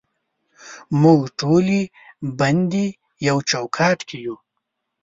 موږ ټولې بندې یو چوکاټ کې یو